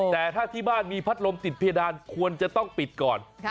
แต่ถ้าที่บ้านมีพัดลมติดเพดานควรจะต้องปิดก่อน